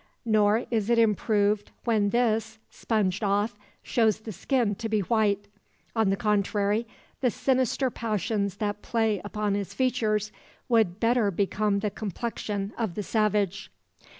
Nor is it improved, when this, sponged off shows the skin to be white; on the contrary, the sinister passions that play upon his features would better become the complexion of the savage.